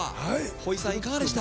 ほいさん、いかがでした？